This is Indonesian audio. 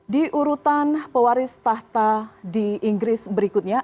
di urutan pewaris tahta di inggris berikutnya